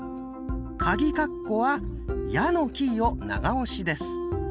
カギカッコは「や」のキーを長押しです。